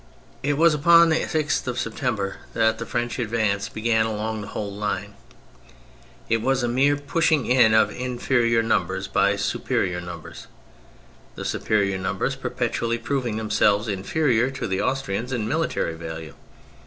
It was upon the 6th of September that the French advance began along the whole line; it was a mere pushing in of inferior numbers by superior numbers, the superior numbers perpetually proving themselves inferior to the Austrians in military value.